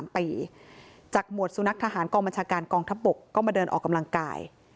๓ปีจากหมวดสุนัขทหารกองบัญชาการกองทัพบกก็มาเดินออกกำลังกาย